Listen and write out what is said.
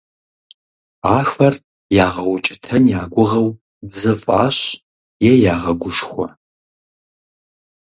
Ахэр ягъэукӀытэн я гугъэу дзы фӀащ е ягъэгушхуэ.